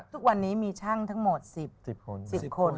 ทุกวันนี้มีช่างทั้งหมด๑๐คน